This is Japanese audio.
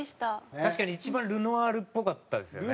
確かに一番ルノアールっぽかったですよね。